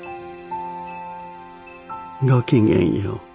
ごきげんよう。